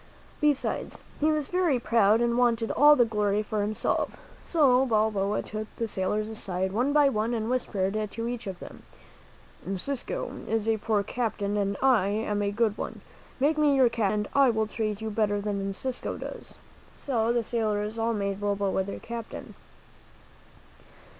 Besides, he was very proud and wanted all the glory for himself. So Balboa took the sailors aside one by one, and whispered to each of them, "Encisco is a poor captain and I am a good one. Make me your captain and I will treat you better than Encisco does." So the sailors all made Balboa their captain.